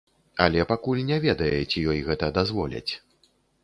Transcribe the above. Але пакуль не ведае, ці ёй гэта дазволяць.